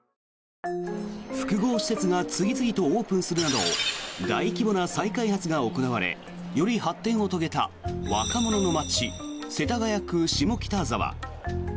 複合施設が次々とオープンするなど大規模な再開発が行われより発展を遂げた若者の街世田谷区・下北沢。